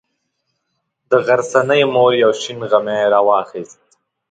د غرڅنۍ مور یو شین غمی راواخیست.